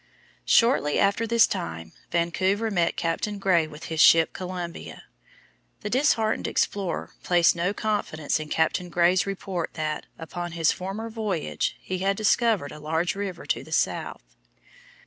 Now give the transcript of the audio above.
Shortly after this time, Vancouver met Captain Gray with his ship Columbia. The disheartened explorer placed no confidence in Captain Gray's report that, upon his former voyage, he had discovered a large river to the south.